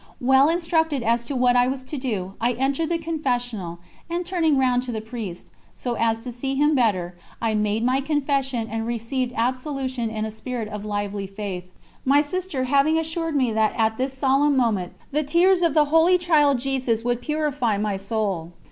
Well instructed as to what I was to do, I entered the confessional, and turning round to the priest, so as to see him better, I made my confession and received absolution in a spirit of lively faith my sister having assured me that at this solemn moment the tears of the Holy Child Jesus would purify my soul.